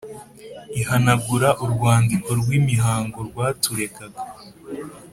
igahanagura urwandiko rw’imihango rwaturegaga